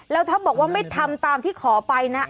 แล้วถ้าบอกว่าไม่ทำตามที่ขอไปนะ